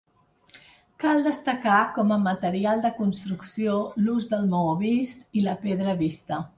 Cal destacar com a material de construcció l'ús del maó vist i la pedra vista.